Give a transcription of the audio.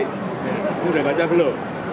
kamu udah baca belum